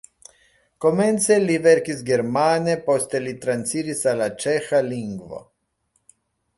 Komence li verkis germane, poste li transiris al la ĉeĥa lingvo.